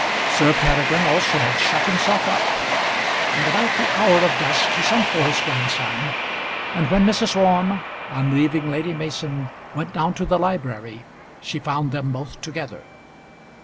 Sir Peregrine also had shut himself up, but about the hour of dusk he sent for his grandson; and when Mrs. Orme, on leaving Lady Mason, went down to the library, she found them both together.